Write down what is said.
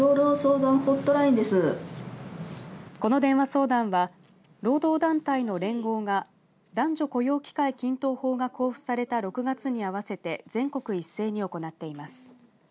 この電話相談は労働団体の連合が男女雇用機会均等法が交付された６月に合わせて全国一斉に行っています。